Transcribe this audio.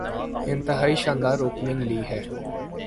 انتہائی شاندار اوپننگ لی ہے۔